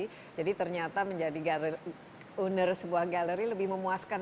menjadi pemilik galeri lebih memuaskan